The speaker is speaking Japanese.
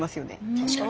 確かに。